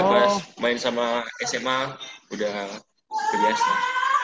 oh ya pas main sama sma udah kebiasaan